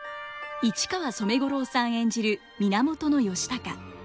市川染五郎さん演じる源義高。